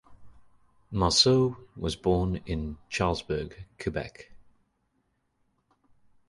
Marceau was born in Charlesbourg, Quebec.